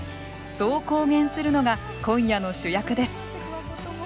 そう公言するのが今夜の主役です。